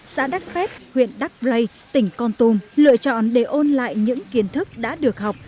xã đắc phép huyện đắc lây tỉnh con tum lựa chọn để ôn lại những kiến thức đã được học